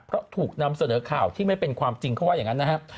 เพราะถูกนำเสนอข่าวที่ไม่เป็นความจริงเขาว่าอย่างนั้นนะครับ